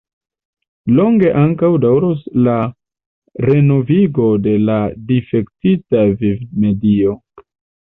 Longe ankaŭ daŭros la renovigo de la difektita vivmedio.